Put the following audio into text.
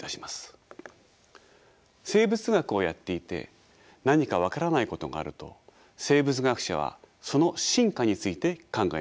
生物学をやっていて何か分からないことがあると生物学者はその進化について考えます。